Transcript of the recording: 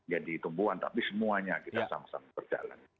jadi tumbuhan tapi semuanya kita sama sama berjalan